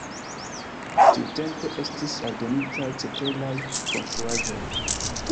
Tiutempe estis aldonitaj ceteraj konstruaĵoj.